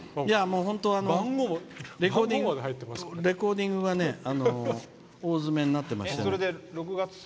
レコーディングも大詰めになってます。